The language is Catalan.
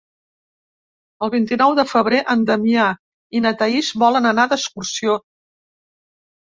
El vint-i-nou de febrer en Damià i na Thaís volen anar d'excursió.